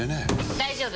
大丈夫！